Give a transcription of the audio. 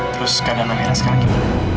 terus sekarang amira sekarang kita